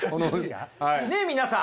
ねっ皆さん。